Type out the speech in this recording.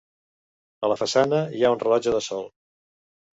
A la façana, hi ha un rellotge de sol.